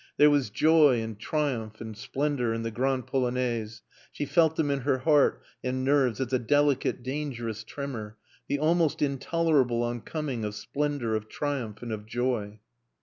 There was joy and triumph and splendor in the Grande Polonaise; she felt them in her heart and nerves as a delicate, dangerous tremor, the almost intolerable on coming of splendor, of triumph and of joy.